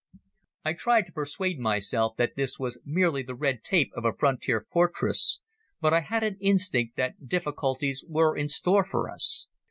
I tried to persuade myself that this was merely the red tape of a frontier fortress, but I had an instinct that difficulties were in store for us.